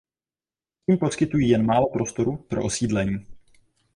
Tím poskytují jen málo prostoru pro osídlení.